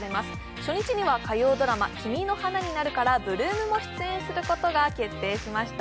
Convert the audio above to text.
初日は、火曜ドラマ「君の花になる」から８ＬＯＯＭも出演することが決定しました。